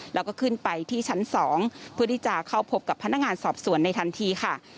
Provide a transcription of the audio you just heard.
แล้วก็ขึ้นไปที่ชั้น๒เพื่อที่จะเข้าพบกับพนักงานสอบสวนในทันทีค่ะ